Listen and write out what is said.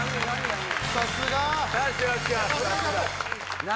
さすが！何？